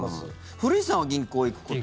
古市さんは銀行行くことは。